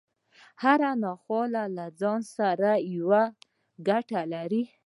هره ناخواله له ځان سره يوه ګټه لري.